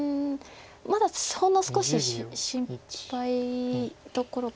まだほんの少し心配どころがある。